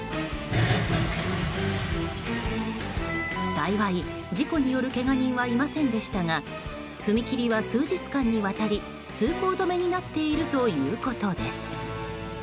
幸い、事故によるけが人はいませんでしたが踏切は数日間にわたり通行止めになっているということです。